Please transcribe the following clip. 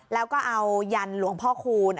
แล้วก็เอายันหลวงพ่อคูณ